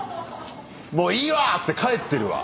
もういいわ！って帰ってるわ。